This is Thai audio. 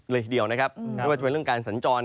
เลยทีเดียวนะครับไม่ว่าจะเป็นเรื่องการสัญจร